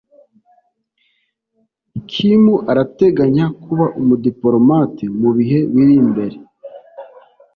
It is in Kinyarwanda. Kim arateganya kuba umudipolomate mu bihe biri imbere.